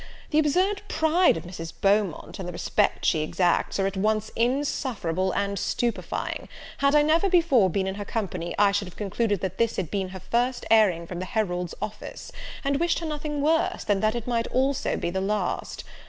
The absurd pride of Mrs. Beaumont, and the respect she exacts, are at once insufferable and stupifying; had I never before been in her company, I should have concluded that this had been her first airing from the herald's office, and wished her nothing worse, than that it might also be the last.